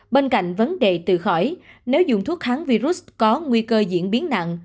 bên cạnh vấn đề từ khỏi nếu dùng thuốc kháng virus có nguy cơ diễn biến nặng